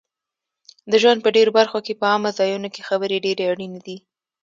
د ژوند په ډېرو برخو کې په عامه ځایونو کې خبرې ډېرې اړینې دي